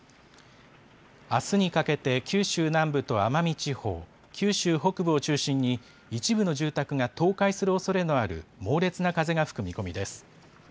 あすにかけて九州南部と奄美地方、九州北部を中心に、一部の住宅が倒壊するおそれのある猛烈な風が吹く見込みです。